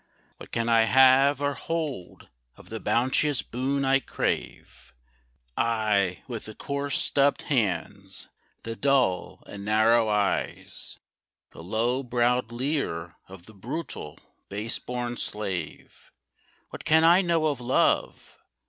What can I have or hold of the bounteous boon I crave I, with the coarse stubbed hands, the dull and narrow eyes, The low browed leer of the brutal, base born slave? What can I know of Love?